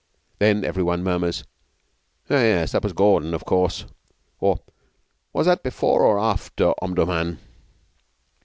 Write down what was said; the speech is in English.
Then every one murmurs: 'Oh yes. That was Gordon, of course,' or 'Was that before or after Omdurman?'